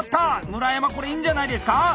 村山これいいんじゃないですか？